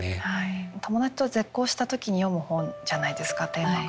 「友達と絶交した時に読む本」じゃないですかテーマが。